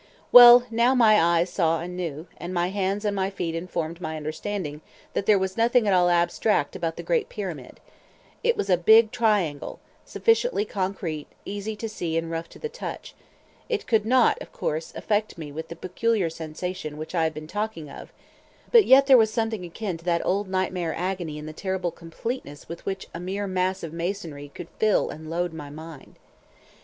Well, now my eyes saw and knew, and my hands and my feet informed my understanding that there was nothing at all abstract about the great Pyramid—it was a big triangle, sufficiently concrete, easy to see, and rough to the touch; it could not, of course, affect me with the peculiar sensation which I have been talking of, but yet there was something akin to that old nightmare agony in the terrible completeness with which a mere mass of masonry could fill and load my mind.